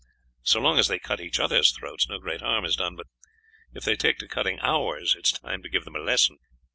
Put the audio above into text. So long as they cut each other's throats no great harm is done, but if they take to cutting ours it is time to give them a lesson."